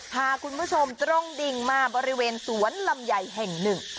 พาคุณผู้ชมตรงดิ่งมาบริเวณสวนลำไยแห่งหนึ่ง